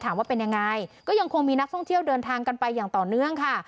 ว่าเป็นยังไงก็ยังคงมีนักท่องเที่ยวเดินทางกันไปอย่างต่อเนื่องค่ะ